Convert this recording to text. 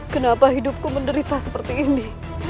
kenapa hidupku menderita seperti ini